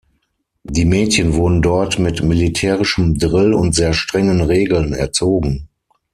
Die Mädchen wurden dort mit militärischem Drill und sehr strengen Regeln erzogen.